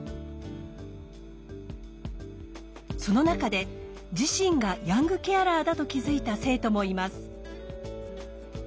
その中で自身がヤングケアラーだと気づいた生徒もいます。